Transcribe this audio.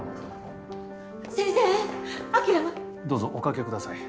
どうぞおかけください。